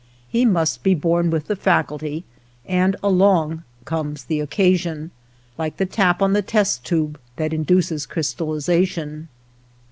He must be born with the facul, ty, and along comes the occa sion, like the tap on the test tube that in duces crystallization.